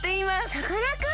さかなクン！？